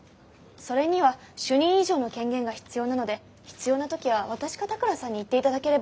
それには主任以上の権限が必要なので必要な時は私か田倉さんに言って頂ければ。